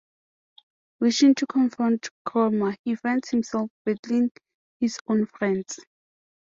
Wishing to confront Chroma, he finds himself battling his own friends.